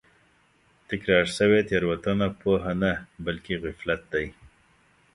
تکرار شوې تېروتنه پوهه نه بلکې غفلت دی.